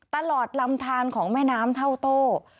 ตลอดลำทานของแม่น้ำเท่าโต้